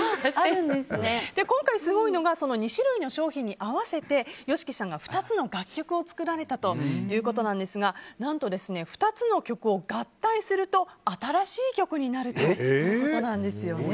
今回すごいのが２種類の商品に合わせてＹＯＳＨＩＫＩさんが２つの楽曲を作られたそうですが何と２つの曲を合体すると新しい曲になるということです。